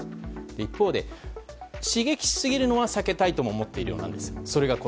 一方で、刺激しすぎるのは避けたいと思っているようです。